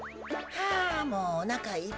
はあもうおなかいっぱい。